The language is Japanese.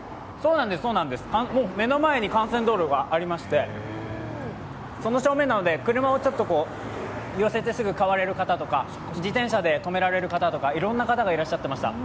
目の前に幹線道路がありまして、その正面なので、車をちょっと寄せて買われる方とか自転車で止められる方とか、いろんな方がいらっしゃってました。